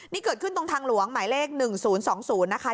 นี่เกิดขึ้นตรงทางหลวงหมายเลขหนึ่งศูนย์สองศูนย์นะคะ